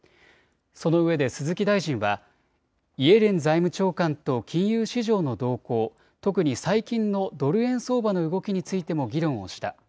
そのうえで鈴木大臣はイエレン財務長官と金融市場の動向、特に最近のドル円相場の動きについても議論をした。